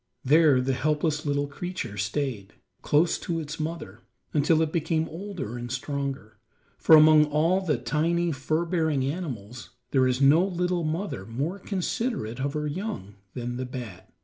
There the helpless little creature stayed, close to its mother, until it became older and stronger, for among all the tiny, fur bearing animals there is no little mother more considerate of her young than the bat.